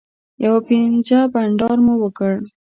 یوه پنجه بنډار مو وکړ.